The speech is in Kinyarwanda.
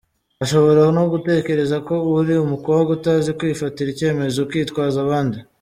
Ashobora no gutekereza ko uri umukobwa utazi kwifatira icyemezo ukitwaza abandi.